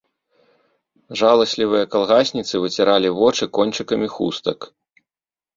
Жаласлівыя калгасніцы выціралі вочы кончыкамі хустак.